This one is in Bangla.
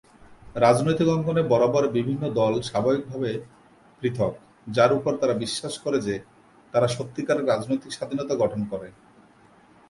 রাজনৈতিক অঙ্গনে বরাবর বিভিন্ন দল স্বাভাবিকভাবে পৃথক যার উপর তারা বিশ্বাস করে যে তারা সত্যিকারের রাজনৈতিক স্বাধীনতা গঠন করে।